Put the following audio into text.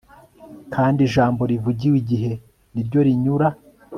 kandi ijambo rivugiwe igihe ni ryo rinyura